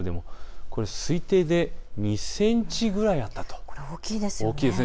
推定で２センチぐらいあったということです。